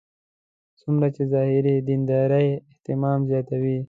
څومره چې ظاهري دیندارۍ اهتمام زیاتوي.